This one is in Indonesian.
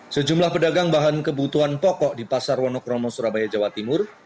sejumlah pedagang bahan kebutuhan pokok di pasar wonokromo surabaya jawa timur